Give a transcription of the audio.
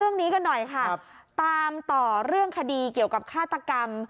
เรื่องนี้กันหน่อยค่ะตามต่อเรื่องคดีเกี่ยวกับฆาตกรรม